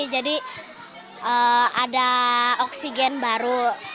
jadi ada oksigen baru